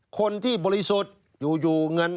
คนที่บริสุทธิ์อยู่เงิน